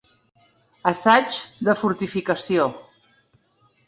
Assaigs de fortificació.